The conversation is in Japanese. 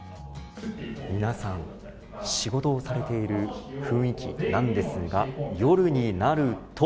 皆さん、仕事をされている雰囲気なんですが夜になると。